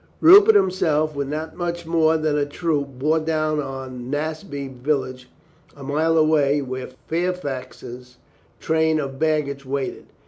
Rupert himself, with not much more than a troop, bore down on Naseby village a mile away, where Fairfax's train of baggage waited.